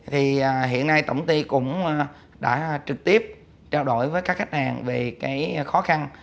thì hiện nay tổng ty cũng đã trực tiếp trao đổi với các khách hàng về cái khó khăn